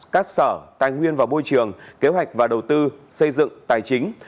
các sở tài nguyên và môi trường kế hoạch và đầu tư xây dựng tài chính